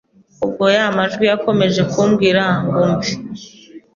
Ubwo ya majwi yakomeje kumbwira ngo mve